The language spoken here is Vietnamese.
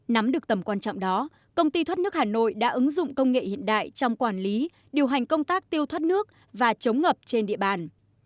nắm được tầm quan trọng đó công ty thoát nước hà nội đã ứng dụng công nghệ hiện đại trong quản lý điều hành công tác tiêu thoát nước và chống ngập trên địa bàn